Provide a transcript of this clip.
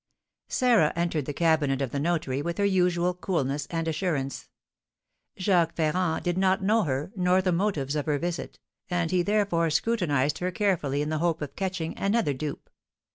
Sarah entered the cabinet of the notary with her usual coolness and assurance. Jacques Ferrand did not know her, nor the motives of her visit, and he therefore scrutinised her carefully in the hope of catching another dupe.